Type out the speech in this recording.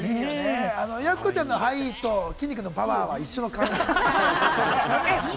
やす子ちゃんの、はい！と、きんに君のパワー！は一緒だから。